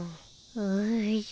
おじゃ。